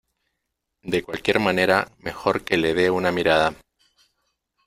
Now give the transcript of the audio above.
De cualquier manera mejor que le de una mirada.